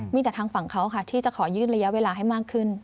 มีแต่ทางฝั่งเขาค่ะที่จะขอยืดระยะเวลาให้มากขึ้น